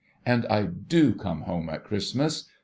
And I do come home at Christmas.